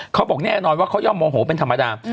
เขาบอกแน่นอนว่าเขาย่อมโมโหเป็นธรรมดา